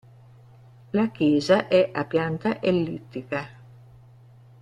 La chiesa è a pianta ellittica.